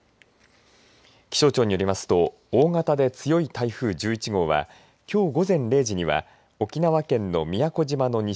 気象庁によりますと大型で強い台風１１号はきょう午前０時には沖縄県の宮古島の西